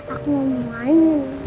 aku mau main